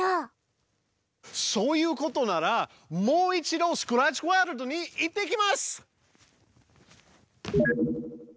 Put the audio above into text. そういうことならもう一度スクラッチワールドに行ってきます！